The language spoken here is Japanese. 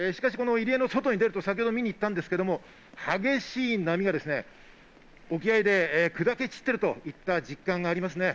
しかしこの入江の外に出ると、先ほど見に行ったんですけど、激しい波が沖合で砕け散っているといった実感があります。